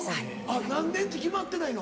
何年って決まってないの？